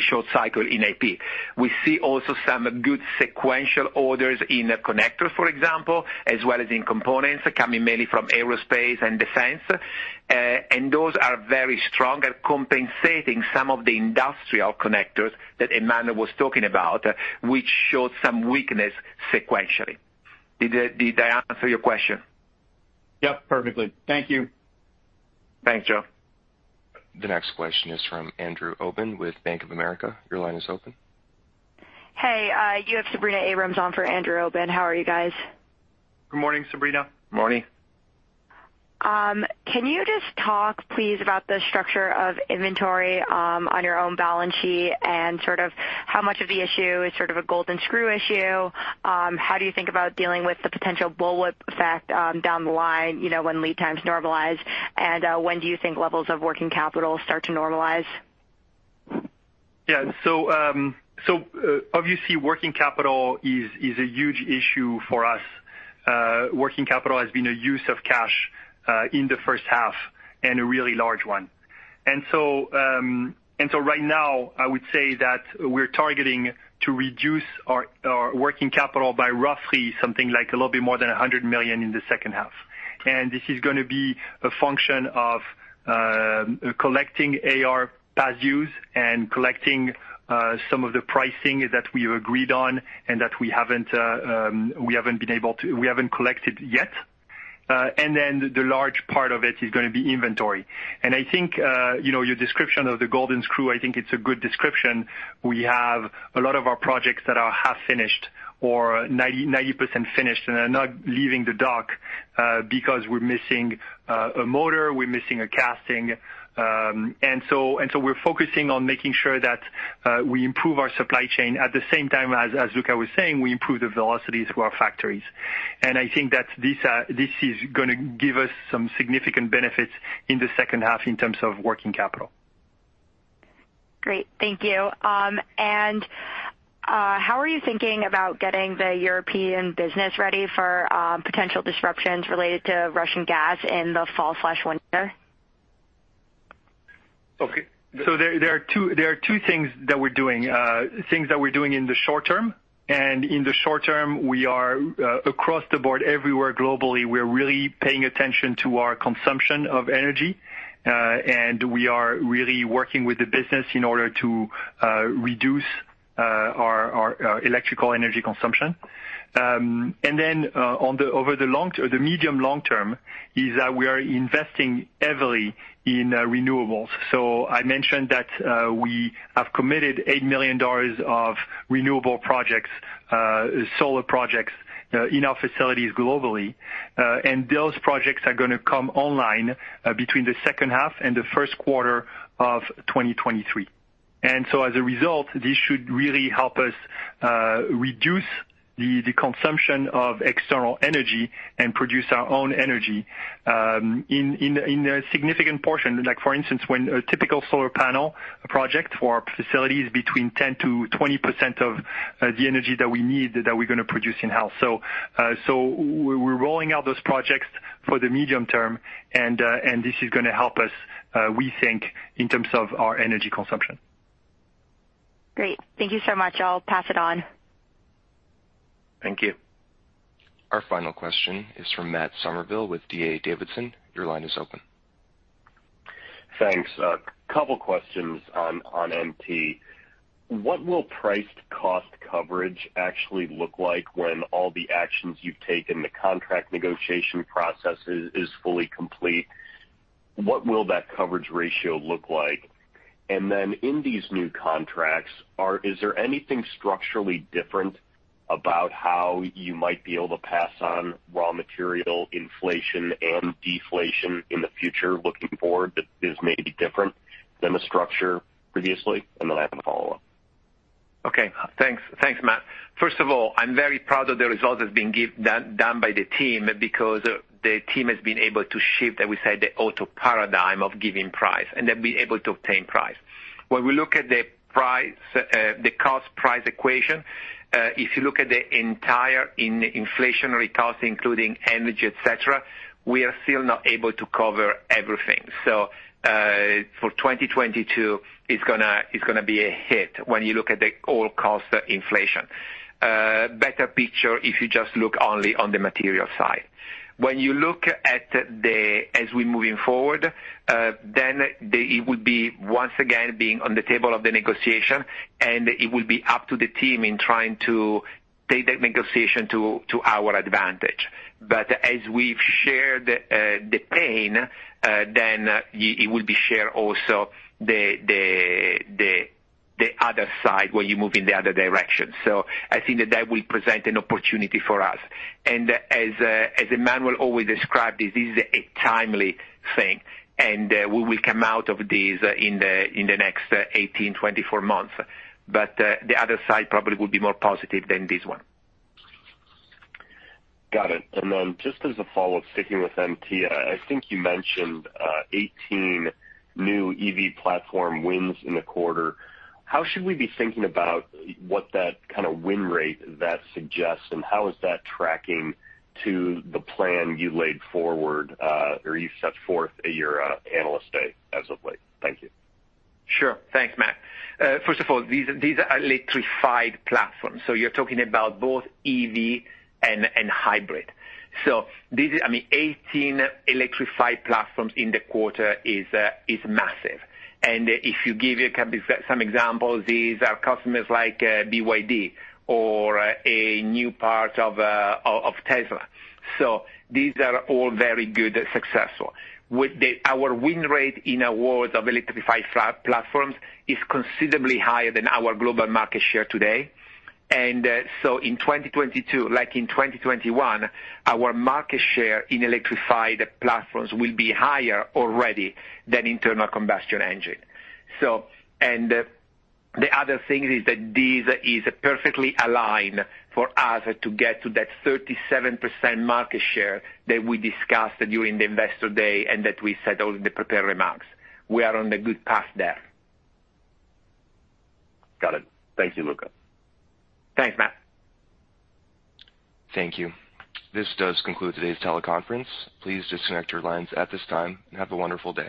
short cycle in AP. We see also some good sequential orders in connectors, for example, as well as in components coming mainly from aerospace and defense. Those are very strong at compensating some of the industrial connectors that Emmanuel was talking about, which showed some weakness sequentially. Did I answer your question? Yep, perfectly. Thank you. Thanks, Joe. The next question is from Andrew Obin with Bank of America. Your line is open. Hey, you have Sabrina Abrams on for Andrew Obin. How are you guys? Good morning, Sabrina. Morning. Can you just talk, please, about the structure of inventory, on your own balance sheet and sort of how much of the issue is sort of a golden screw issue? How do you think about dealing with the potential bullwhip effect, down the line, you know, when lead times normalize? When do you think levels of working capital start to normalize? Obviously, working capital is a huge issue for us. Working capital has been a use of cash in the first half, and a really large one. Right now, I would say that we're targeting to reduce our working capital by roughly something like a little bit more than $100 million in the second half. This is gonna be a function of collecting AR past dues and collecting some of the pricing that we agreed on and that we haven't collected yet. The large part of it is gonna be inventory. I think you know, your description of the golden screw, I think it's a good description. We have a lot of our projects that are half finished or 90% finished and are not leaving the dock because we're missing a motor, we're missing a casting. We're focusing on making sure that we improve our supply chain. At the same time, as Luca was saying, we improve the velocity through our factories. I think that this is gonna give us some significant benefits in the second half in terms of working capital. Great. Thank you. How are you thinking about getting the European business ready for potential disruptions related to Russian gas in the fall/winter? There are two things that we're doing in the short term, and in the short term, we are across the board everywhere globally, we're really paying attention to our consumption of energy, and we are really working with the business in order to reduce our electrical energy consumption. Over the medium long term, we are investing heavily in renewables. I mentioned that we have committed $8 million of renewable projects, solar projects in our facilities globally. Those projects are gonna come online between the second half and the first quarter of 2023. As a result, this should really help us reduce the consumption of external energy and produce our own energy in a significant portion. Like for instance, when a typical solar panel project for our facility is between 10%-20% of the energy that we need that we're gonna produce in-house. We're rolling out those projects for the medium term, and this is gonna help us, we think, in terms of our energy consumption. Great. Thank you so much. I'll pass it on. Thank you. Our final question is from Matthew Summerville with D.A. Davidson. Your line is open. Thanks. Couple questions on MT. What will priced cost coverage actually look like when all the actions you've taken, the contract negotiation process is fully complete? What will that coverage ratio look like? And then in these new contracts, is there anything structurally different about how you might be able to pass on raw material inflation and deflation in the future looking forward that is maybe different than the structure previously? And then I have a follow-up. Okay. Thanks. Thanks, Matt. First of all, I'm very proud of the results that's been done by the team because the team has been able to shift, as we said, the auto paradigm of giving price, and they've been able to obtain price. When we look at the price, the cost-price equation, if you look at the entire inflationary cost including energy, etc., we are still not able to cover everything. For 2022, it's gonna be a hit when you look at the overall cost inflation. Better picture if you just look only on the material side. When you look at, as we're moving forward, then it would be once again being on the table of the negotiation, and it will be up to the team in trying to take that negotiation to our advantage. As we've shared, the pain, then it will be shared also the other side when you move in the other direction. I think that will present an opportunity for us. As Emmanuel always described, this is a timely thing, and we will come out of this in the next 18, 24 months. The other side probably will be more positive than this one. Got it. Just as a follow-up, sticking with MT, I think you mentioned 18 new EV platform wins in the quarter. How should we be thinking about what that kind of win rate that suggests, and how is that tracking to the plan you laid forward, or you set forth at your Analyst Day as of late? Thank you. Sure. Thanks, Matt. First of all, these are electrified platforms, so you're talking about both EV and hybrid. I mean, 18 electrified platforms in the quarter is massive. You know, you can see some examples. These are customers like BYD or a new platform for Tesla. These are all very successful. Our win rate in awards of electrified platforms is considerably higher than our global market share today. In 2022, like in 2021, our market share in electrified platforms will be higher already than internal combustion engine. The other thing is that this is perfectly aligned for us to get to that 37% market share that we discussed during the Investor Day and that we said all in the prepared remarks. We are on a good path there. Got it. Thank you, Luca. Thanks, Matt. Thank you. This does conclude today's teleconference. Please disconnect your lines at this time, and have a wonderful day.